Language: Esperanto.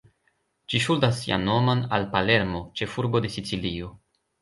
Ĝi ŝuldas sian nomon al Palermo, ĉefurbo de Sicilio.